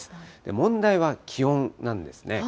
問題は気温なんですね。